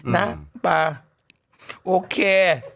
นะป่าโอเค